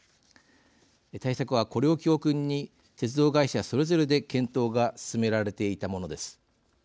対策はこれを教訓に鉄道会社ぞれぞれで検討が進められていたものです。